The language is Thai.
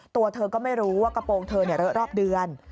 ตัวเธอก็ไม่รู้ว่ากระโปรงเธอเลอะรอบเดือน